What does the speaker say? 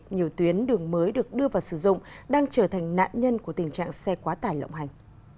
nhiều tuyến đường mới được đưa vào sử dụng đang trở thành nạn nhân của tình trạng xe quá tải lộng hành